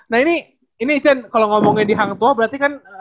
nah ini ican kalau ngomongin di hang tua berarti kan